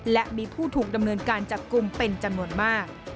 และมีผู้ถูกดำเนินการจับกลุ่มเป็นจำนวนมาก